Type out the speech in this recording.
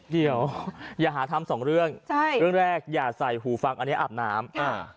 เดี๋ยวอย่าหาทำสองเรื่องใช่เรื่องแรกอย่าใส่หูฟังอันนี้อาบน้ำอ่า